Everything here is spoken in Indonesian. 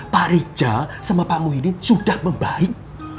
pak rija sama pak muhyiddin sudah membaik